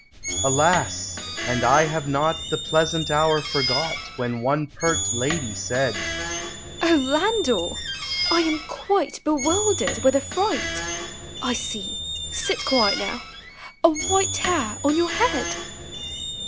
Alas ! and I have not The pleasant hour forgot, When one pert lady said, —" O Landor ! I am quite Bewildered with affright ; I see (sit quiet now !) a white hair on your head!"